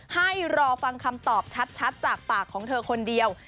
ให้รอฟังคำตอบชัดจากปากของเธอคนเดียว